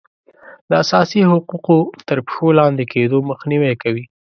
د اساسي حقوقو تر پښو لاندې کیدو مخنیوی کوي.